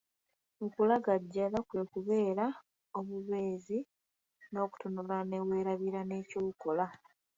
Okulangajja kwe kubeera obubeezi n'okutunula ne weerabira ne ky'okola.